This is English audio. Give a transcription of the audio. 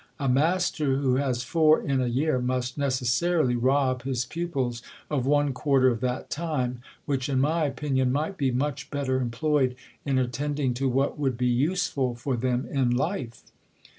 A master, who has four in a, year, must necessarily rob his pupils of one quarter of that time, which, in my opinion, might be much belter employed in attending to what would be useful for ■them in life.